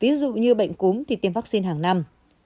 ví dụ như bệnh cúm thì tiêm vaccine hàng năm